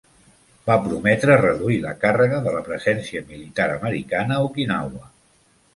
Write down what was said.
Va prometre reduir la càrrega de la presència militar americana a Okinawa.